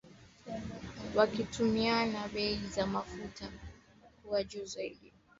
Wakitumaini bei ya mafuta kuwa juu zaidi.